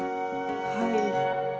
はい。